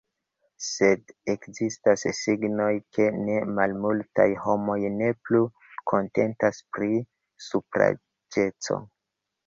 Sed ekzistas signoj, ke ne malmultaj homoj ne plu kontentas pri supraĵeco.